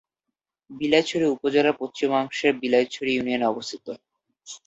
বিলাইছড়ি উপজেলার পশ্চিমাংশে বিলাইছড়ি ইউনিয়নের অবস্থান।